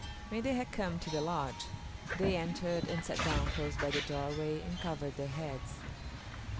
When they had come to the lodge they entered and sat down close by the doorway and covered their heads.